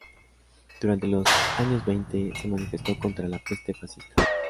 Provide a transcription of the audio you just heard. Durante los años veinte se manifestó contra la "peste fascista".